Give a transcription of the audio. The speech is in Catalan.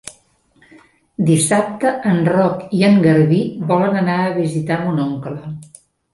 Dissabte en Roc i en Garbí volen anar a visitar mon oncle.